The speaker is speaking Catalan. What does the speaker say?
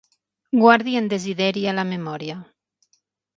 Guardi en Desideri a la memòria.